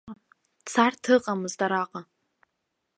Царҭа ыҟамызт араҟа.